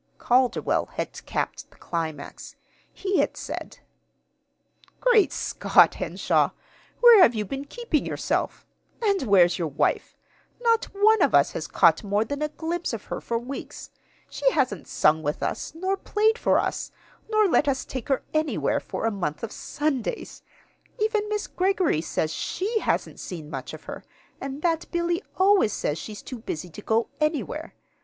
Calderwell had capped the climax. He had said: "Great Scott, Henshaw, where have you been keeping yourself? And where's your wife? Not one of us has caught more than a glimpse of her for weeks. She hasn't sung with us, nor played for us, nor let us take her anywhere for a month of Sundays. Even Miss Greggory says she hasn't seen much of her, and that Billy always says she's too busy to go anywhere.